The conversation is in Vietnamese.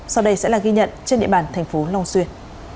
sau đây sẽ là ghi nhận trên địa bàn thành phố long xuyên